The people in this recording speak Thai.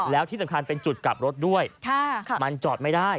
แล้วที่สำคัญเป็นจุดกลับรถด้วยมันจอดไม่ได้